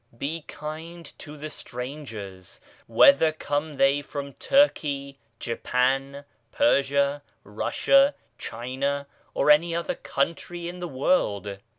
Be kind to the strangers, whether 'come they from Turkey, Japan, Persia, Russia, China or any other country in the world.